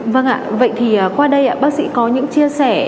vâng ạ vậy thì qua đây bác sĩ có những chia sẻ